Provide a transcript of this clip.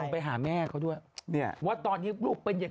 ไปแขนเอามาดูยอด